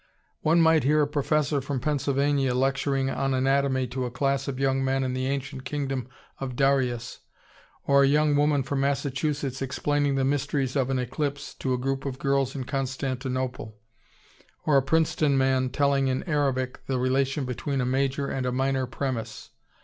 One might hear a professor from Pennsylvania lecturing on anatomy to a class of young men in the ancient kingdom of Darius; or a young woman from Massachusetts explaining the mysteries of an eclipse to a group of girls in Constantinople; or a Princeton man telling in Arabic the relation between a major and a minor premise.